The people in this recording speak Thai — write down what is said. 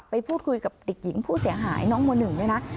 ไปพูดคุยกับเด็กหญิงผู้เสียหายน้องม๑ด้วยนะ